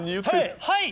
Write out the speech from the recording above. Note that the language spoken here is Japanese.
はい！